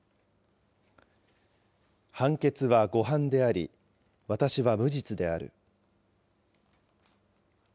判決は誤判であり、私は無実である。